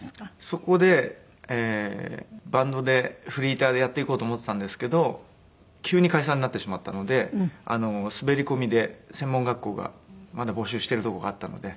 そこでバンドでフリーターでやっていこうと思ってたんですけど急に解散になってしまったので滑り込みで専門学校がまだ募集してるとこがあったので。